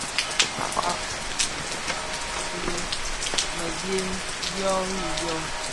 A robka lë risoo di mëdyëm dyô rì dyô.